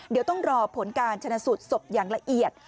เดี๋ยวต้องรอผลการชนะสูตรศพอย่างละเอียด